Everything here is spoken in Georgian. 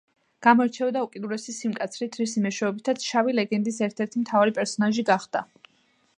გამოირჩეოდა უკიდურესი სიმკაცრით, რისი მეშვეობითაც „შავი ლეგენდის“ ერთ-ერთი მთავარი პერსონაჟი გახდა.